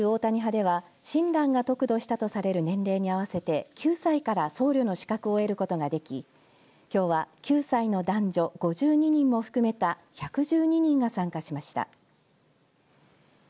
真宗大谷派では親鸞が得度したとされる年齢に合わせて９歳から僧侶の資格を得ることができきょうは９歳の男女５２人を含めた１１２人が参加しました。